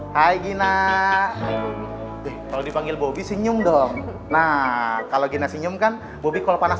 hai gina kalau dipanggil bobby senyum dong nah kalau gina senyumkan bobby kalau panas